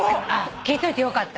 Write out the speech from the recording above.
聞いといてよかった。